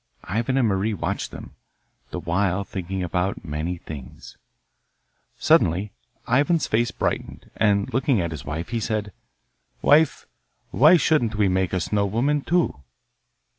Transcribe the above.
Ivan and Marie watched them, the while thinking about many things. Suddenly Ivan's face brightened, and, looking at his wife, he said, 'Wife, why shouldn't we make a snow woman too?